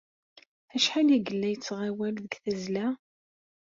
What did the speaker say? Acḥal ay yella yettɣawal deg tazzla?